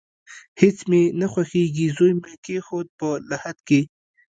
هیڅ مې نه خوښیږي، زوی مې کیښود په لحد کې